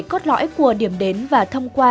cốt lõi của điểm đến và thông qua